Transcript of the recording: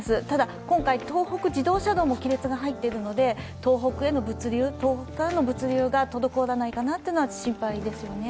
ただ、今回、東北自動車道も亀裂が入っているので東北への物流、東北からの物流が滞らないかっていうのは心配です。